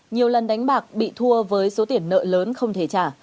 nhiều lần đánh bạc bị thua với số tiền nợ lớn không thể trả